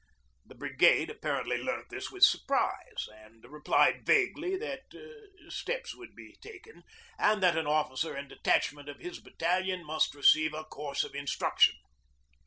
The Brigade apparently learnt this with surprise, and replied vaguely that steps would be taken, and that an officer and detachment of his battalion must receive a course of instruction.